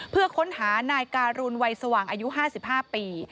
เพื่อค้นหานายการุณวัยสว่างอายุ๕๕ปี